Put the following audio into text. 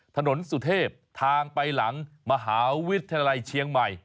สุเทพทางไปหลังมหาวิทยาลัยเชียงใหม่